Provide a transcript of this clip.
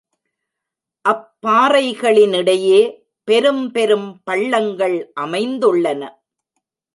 அப்பாறைகளினிடையே பெரும்பெரும் பள்ளங்கள் அமைந்துள்ளன.